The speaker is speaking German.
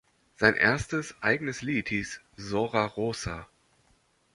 Sein erstes eigenes Lied hieß "Sora rosa".